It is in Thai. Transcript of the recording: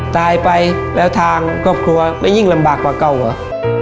ตายไปแล้วทางครอบครัวไม่ยิ่งลำบากกว่าเก่าเหรอ